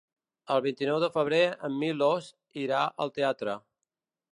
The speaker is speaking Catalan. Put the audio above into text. El vint-i-nou de febrer en Milos irà al teatre.